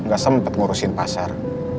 gak sempet ngurusin pasar